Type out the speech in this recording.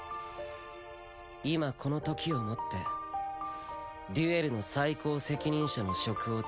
今この時をもってデュエルの最高責任者の職を辞する。